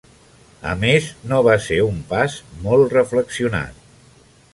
A més, no va ser un pas molt reflexionat.